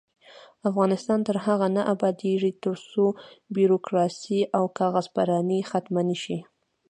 افغانستان تر هغو نه ابادیږي، ترڅو بیروکراسي او کاغذ پراني ختمه نشي.